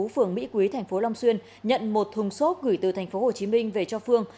phường mỹ quý thành phố long xuyên nhận một thùng xốp gửi từ thành phố hồ chí minh về cho phương